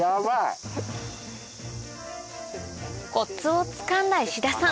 コツをつかんだ石田さん